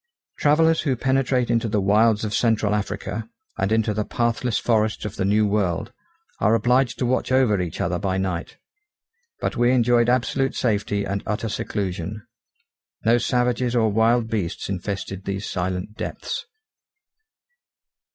Travellers who penetrate into the wilds of central Africa, and into the pathless forests of the New World, are obliged to watch over each other by night. But we enjoyed absolute safety and utter seclusion; no savages or wild beasts infested these silent depths.